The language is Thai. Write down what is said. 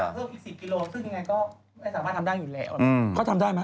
อีก๑๐กิโลกรัมซึ่งยังไงก็ไม่สามารถทำได้อยู่แล้ว